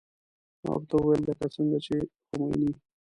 ما ورته وويل لکه څنګه چې خميني.